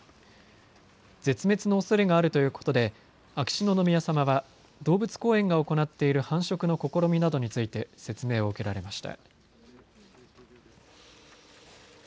絶滅のおそれがあるということで秋篠宮さまは動物公園が行っている繁殖の試みなどについて説明を受けられました。